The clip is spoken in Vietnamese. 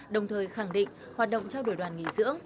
đồng thời khẳng định hoạt động trao đổi đoàn nghỉ dưỡng